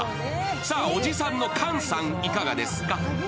さあ、おじさんの菅さん、いかがですか？